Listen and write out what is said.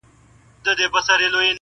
تر کوډ ګرو، مداریانو، تعویذونو.!